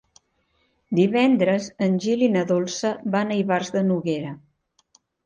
Divendres en Gil i na Dolça van a Ivars de Noguera.